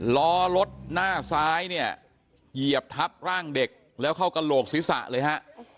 ล้อรถหน้าซ้ายเนี่ยเหยียบทับร่างเด็กแล้วเข้ากระโหลกศีรษะเลยฮะ